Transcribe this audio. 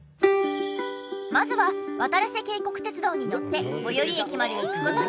まずはわたらせ渓谷鐵道に乗って最寄り駅まで行く事に。